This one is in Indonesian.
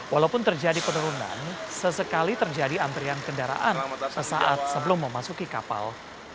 walaupun terjadi penurunan sesekali terjadi antrian kendaraan sesaat sebelum memasuki kapal